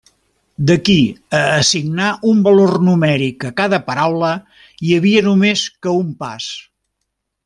D'aquí a assignar un valor numèric a cada paraula hi havia només que un pas.